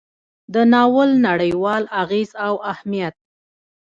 د ناول نړیوال اغیز او اهمیت: